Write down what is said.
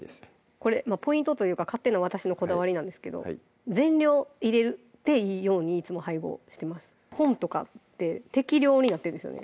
これまぁポイントというか勝手な私のこだわりなんですけど全量入れていいようにいつも配合してます本とかって適量になってんですよね